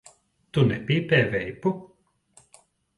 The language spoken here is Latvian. Tu nepīpē veipu?